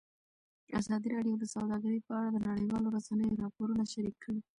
ازادي راډیو د سوداګري په اړه د نړیوالو رسنیو راپورونه شریک کړي.